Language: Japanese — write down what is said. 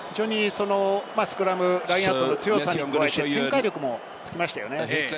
スクラムラインアウトの強さに加えて展開力もつきましたよね。